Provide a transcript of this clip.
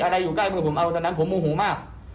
อยู่ใกล้มือผมเอาตอนนั้นผมโมโหมาก